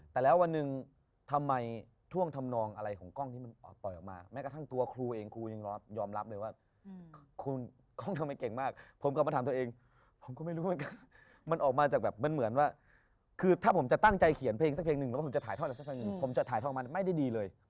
แต่แล้ววันหนึ่งทำไมท่วงทำนองอะไรของกล้องที่มันปล่อยออกมาแม้กระทั่งตัวครูเองครูยังยอมรับเลยว่าครูกล้องทำไมเก่งมากผมกลับมาถามตัวเองผมก็ไม่รู้เหมือนกันมันออกมาจากแบบมันเหมือนว่าคือถ้าผมจะตั้งใจเขียนเพลงสักเพลงหนึ่งแล้วผมจะถ่ายทอดอะไรสักเพลงหนึ่งผมจะถ่ายทอดออกมาไม่ได้ดีเลย